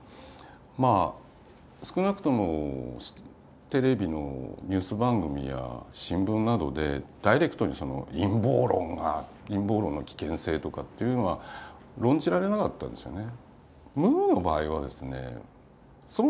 まあ少なくともテレビのニュース番組や新聞などでダイレクトにその陰謀論が陰謀論の危険性とかっていうのは論じられなかったんですよね。